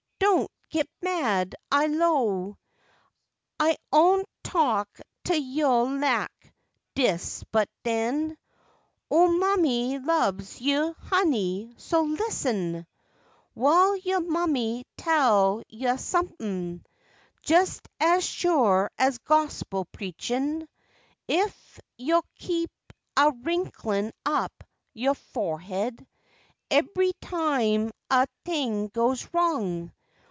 don't git mad, I 'low I oughtn't talk t'yo' lak dis but den— Ole mammy lubs you', honey, so lis'n While yo' mammy tell you some'm. Jest as sure as gospel preachin', Ef yo' keep a wrinklin' up yo' for'ed Ebry time a t'ing goes wrong.